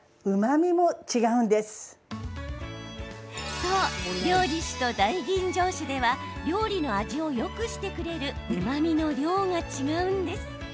そう、料理酒と大吟醸酒では料理の味をよくしてくれるうまみの量が違うんです。